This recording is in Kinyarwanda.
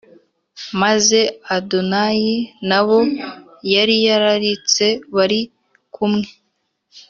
Maze Adoniya n abo yari yararitse bari kumwe